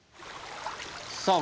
さあ